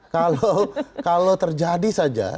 kalau terjadi saja